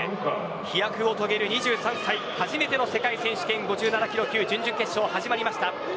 飛躍を遂げる２３歳初めての世界選手権５７ｋｇ級の準々決勝が始まりました。